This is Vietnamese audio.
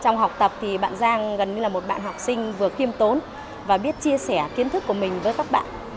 trong học tập thì bạn giang gần như là một bạn học sinh vừa khiêm tốn và biết chia sẻ kiến thức của mình với các bạn